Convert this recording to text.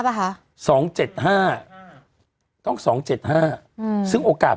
ป่ะคะสองเจ็ดห้าต้องสองเจ็ดห้าอืมซึ่งโอกาส